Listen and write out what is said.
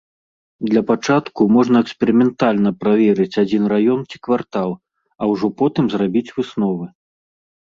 Для пачатку можна эксперыментальна праверыць адзін раён ці квартал, а ўжо потым зрабіць высновы.